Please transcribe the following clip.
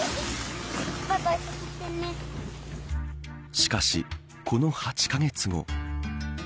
しかしこの８カ月後。